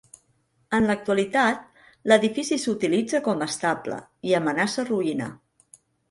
En l'actualitat, l'edifici s'utilitza com a estable, i amenaça ruïna.